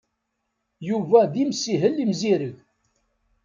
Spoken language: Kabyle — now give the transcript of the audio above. Yuba d imsihel imzireg.